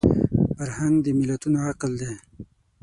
فرهنګ د ملتونو عقل دی